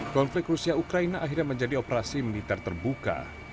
konflik rusia ukraina akhirnya menjadi operasi militer terbuka